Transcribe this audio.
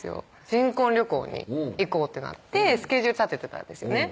新婚旅行に行こうってなってスケジュール立ててたんですよね